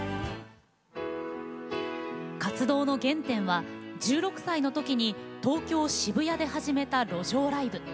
活動の原点は１６歳の時に東京・渋谷で始めた路上ライブ。